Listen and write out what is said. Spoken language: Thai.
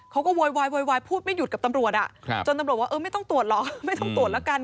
โวยวายโวยวายพูดไม่หยุดกับตำรวจจนตำรวจว่าเออไม่ต้องตรวจเหรอไม่ต้องตรวจแล้วกัน